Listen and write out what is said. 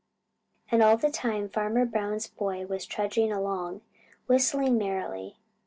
And all the time Farmer Brown's boy was trudging along, whistling merrily.